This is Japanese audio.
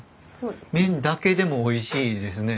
麺だけでもおいしいですね。